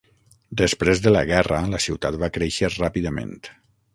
Després de la guerra la ciutat va créixer ràpidament.